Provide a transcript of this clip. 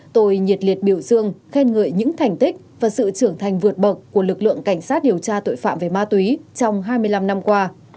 tôi nhiệt liệt biểu dương khen ngợi những thành tích và sự trưởng thành vượt bậc của lực lượng cảnh sát điều tra tội phạm về ma túy trong hai mươi năm năm qua